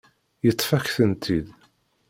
Yeṭṭef-ak-tent-id.